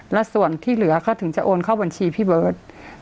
และส่วนที่เหลือเขาถึงจะโอนเข้าบัญชีพี่เบิร์ต